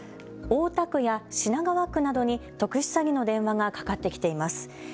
大田区や品川区などに特殊詐欺の電話がかかってきています。